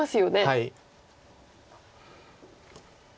はい。